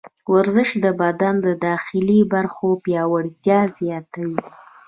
ورزش د بدن د داخلي برخو پیاوړتیا زیاتوي.